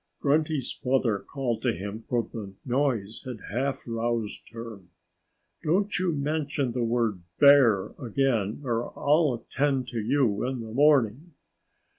Grunty's mother called to him; for the noise had half roused her. "Don't you mention the word bear again, or I'll attend to you in the morning."